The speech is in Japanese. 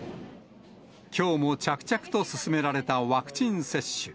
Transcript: きょうも着々と進められたワクチン接種。